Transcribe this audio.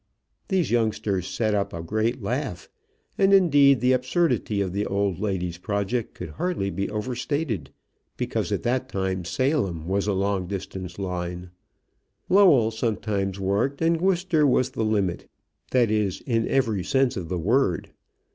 These youngsters set up a great laugh; and, indeed, the absurdity of the old lady's project could hardly be overstated, because at that time Salem was a long distance line, Lowell sometimes worked, and Worcester was the limit that is, in every sense of the word.